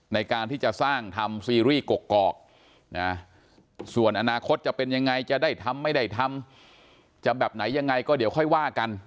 ในการที่จะสร้างทำซีรีส์กอกนะส่วนอนาคตจะเป็นยังไงจะได้ทำไม่ได้ทำจะแบบไหนยังไงก็เดี๋ยวค่อยว่ากัน